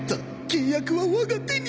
契約は我が手に！